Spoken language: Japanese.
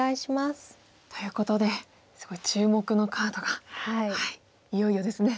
ということですごい注目のカードがいよいよですね。